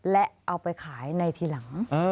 และเอาไปขายในทีหลัง